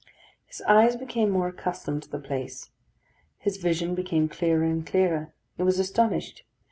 His eyes became more accustomed to the place. His vision became clearer and clearer. He was astonished.